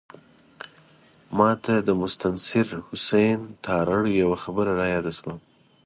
ماته د مستنصر حسین تارړ یوه خبره رایاده شوه.